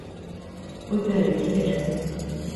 Үҙҙәре китер.